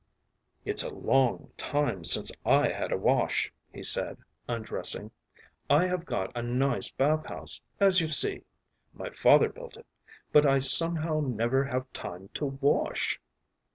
“It’s a long time since I had a wash,” he said, undressing. “I have got a nice bath house, as you see my father built it but I somehow never have time to wash.